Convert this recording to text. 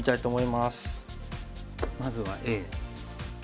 まずはＡ。